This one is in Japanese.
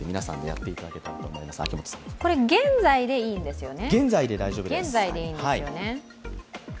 これ、現在でいいんですよね？